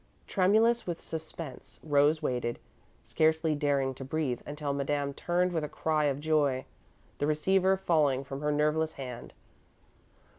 Tremulous with suspense, Rose waited, scarcely daring to breathe until Madame turned with a cry of joy, the receiver falling from her nerveless hand.